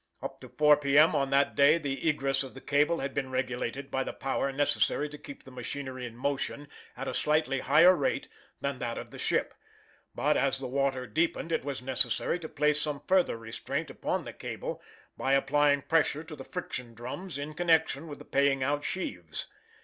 Up to 4 P. M. on that day the egress of the cable had been regulated by the power necessary to keep the machinery in motion at a slightly higher rate than that of the ship; but as the water deepened it was necessary to place some further restraint upon the cable by applying pressure to the friction drums in connection with the paying out sheaves.